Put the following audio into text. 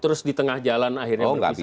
terus di tengah jalan akhirnya bisa masing masing